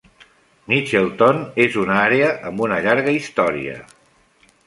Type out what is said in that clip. Mitchelton és una àrea amb una llarga història.